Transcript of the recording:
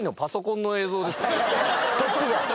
トップ画。